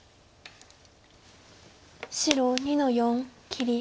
白２の四切り。